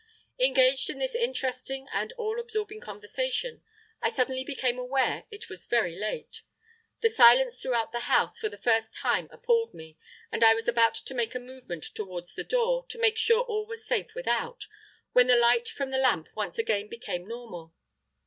Engaged in this interesting and all absorbing conversation, I suddenly became aware it was very late the silence throughout the house for the first time appalled me, and I was about to make a movement towards the door to make sure all was safe without, when the light from the lamp once again became normal.